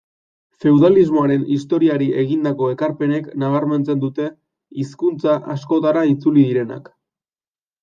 Feudalismoaren historiari egindako ekarpenek nabarmentzen dute, hizkuntza askotara itzuli direnak.